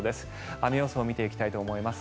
雨予想を見ていきたいと思います。